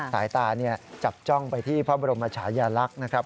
สายตาจับจ้องไปที่พระบรมชายาลักษณ์นะครับ